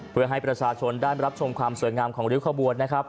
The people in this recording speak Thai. เพื่อให้ประชาชนได้รับชมความสวยงามของริ้วขบวนนะครับ